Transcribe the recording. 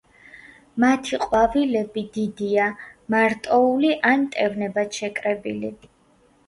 მათი ყვავილები დიდია, მარტოული ან მტევნებად შეკრებილი.